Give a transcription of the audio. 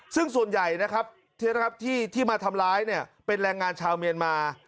ซึ่งส่วนใหญ่นะครับที่มาทำร้ายเนี่ยเป็นแรงงานชาวเมียนมา